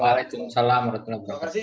wassalamu'alaikum warahmatullahi wabarakatuh